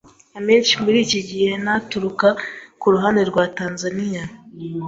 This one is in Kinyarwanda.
Amenshi muri iki gihe ni aturuka ku ruhande rwa Tanzania.